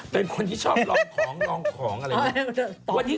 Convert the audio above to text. เป็นคนที่ชอบลองของลองของอะไรอย่างนี้